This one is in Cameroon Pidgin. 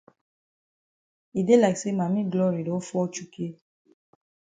E dey like say Mami Glory don fall chukay.